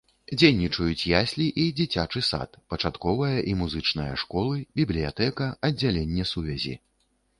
Дзейнічаюць яслі і дзіцячы сад, пачатковая і музычная школы, бібліятэка, аддзяленне сувязі.